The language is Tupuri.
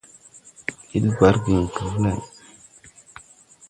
Ɓil bargiŋ kluu lay.